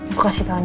aku kasih tau nih